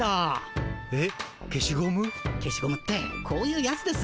けしゴムってこういうやつです。